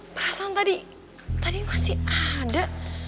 perasaan tadi tadi masih ada